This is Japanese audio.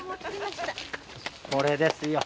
これですよ